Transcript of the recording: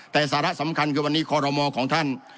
แต่สาระสำคัญคือวันนี้คอรมอของท่าน